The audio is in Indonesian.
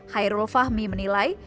hairul fahmi menilai